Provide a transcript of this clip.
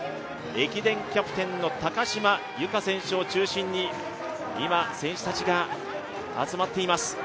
駅伝キャプテンの高島由香選手を中心に今、選手たちが集まっています。